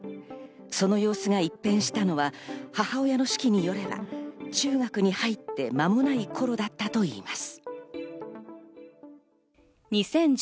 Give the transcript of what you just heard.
その様子が一変したのは母親の手記によれば、中学に入って間もない頃だったといいます。